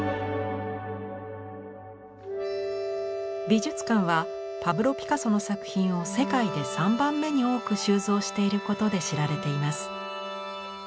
美術館はパブロ・ピカソの作品を世界で３番目に多く収蔵していることで知られています。